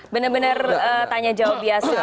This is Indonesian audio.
benar benar tanya jawab biasa